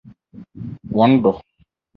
wɔn dɔ